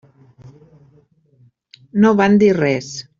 No van dir res.